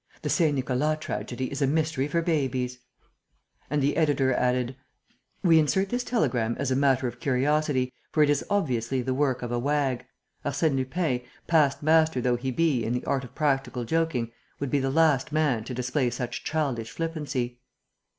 The Saint Nicolas tragedy is a mystery for babies. "ARSÈNE LUPIN." And the editor added: "We insert this telegram as a matter of curiosity, for it is obviously the work of a wag. Arsène Lupin, past master though he be in the art of practical joking, would be the last man to display such childish flippancy."